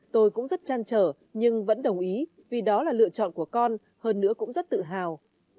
tôi cũng rất chăn trở nhưng vẫn đồng ý vì đó là lựa chọn của con hơn nữa cũng rất tự hào